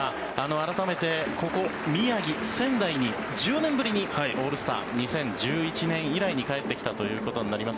改めて、ここ宮城・仙台に１０年ぶりにオールスター２０１１年以来に帰ってきたということになります。